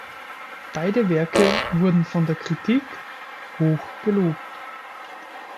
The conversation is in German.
Beide Werke wurden von der Kritik hoch gelobt.